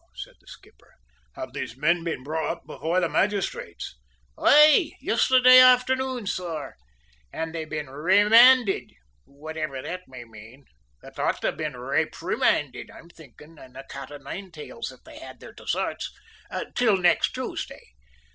said the skipper, "have these men been brought up before the magistrates?" "Aye, yestherday afthernoon, sor, an' they've been raymanded, whativer that may mane it ought to have been rayprimanded, I'm thinkin', an' a cat o' nine tails, if they had their desarts till next Tuesday!